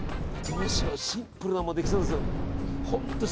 どうしようシンプルなのもできそうですよ。